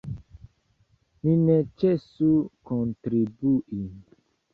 Ni ne ĉesu kontribui.